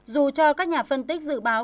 dù cho các nhà phân tích dự báo